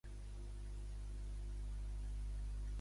Un total de vuit pobles i ciutats van ser nomenats en honor a Tito.